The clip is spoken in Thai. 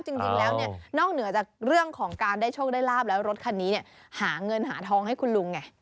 จริงแล้วเนี่ยนอกเหนือจากเรื่องของการได้โชคได้ลาบแล้วรถคันนี้เนี่ยหาเงินหาทองให้คุณลุงไง